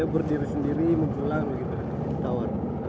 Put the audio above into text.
ya berdiri sendiri menjulang tower